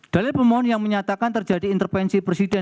dalil pemohon yang menyatakan terjadi intervensi presiden